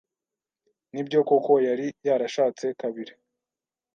Nibyo koko yari yarashatse kabiri.